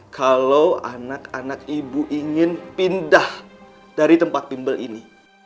kalau anak anak ibu ingin pindah dari tempat timbel ini